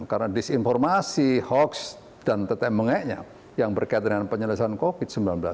karena disinformasi hoax dan tetembeng eng nya yang berkaitan dengan penyelesaian covid sembilan belas